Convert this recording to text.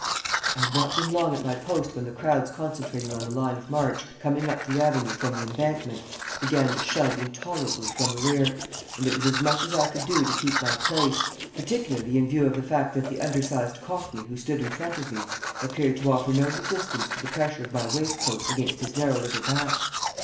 I had not been long at my post when the crowds concentrating on the line of march, coming up the avenue from the Embankment, began to shove intolerably from the rear, and it was as much as I could do to keep my place, particularly in view of the fact that the undersized cockney who stood in front of me appeared to offer no resistance to the pressure of my waistcoat against his narrow little back.